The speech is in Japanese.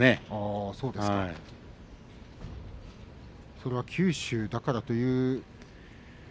それは九州だからという。